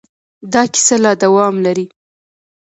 دا کیسه لا دوام لري.